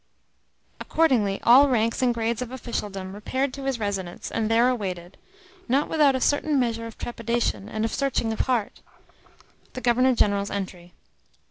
Accordingly all ranks and grades of officialdom repaired to his residence, and there awaited not without a certain measure of trepidation and of searching of heart the Governor General's entry.